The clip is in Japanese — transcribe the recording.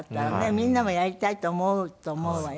みんなもやりたいと思うと思うわよ。